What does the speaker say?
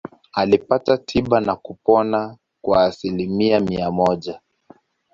Alipata tiba na kupona kwa asilimia mia moja.